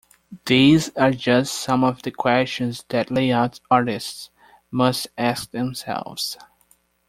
These are just some of the questions that layout artists must ask themselves.